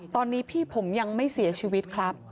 ตอนนี้พี่ผมยังไม่เสียชีวิตครับ